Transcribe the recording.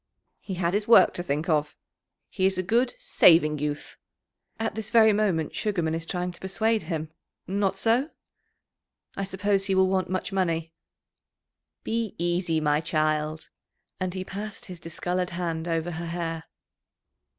"He had his work to think of; he is a good, saving youth." "At this very moment Sugarman is trying to persuade him not so? I suppose he will want much money." "Be easy, my child." And he passed his discoloured hand over her hair.